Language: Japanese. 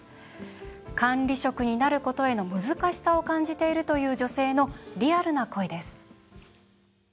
管理職になることへの難しさを感じているという女性のリアルな声です。